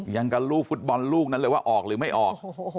ยังกันลูกฟุตบอลลูกนั้นเลยว่าออกหรือไม่ออก